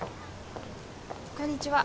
こんにちは。